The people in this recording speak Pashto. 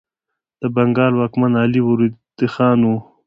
د بنګال واکمن علي وردي خان و.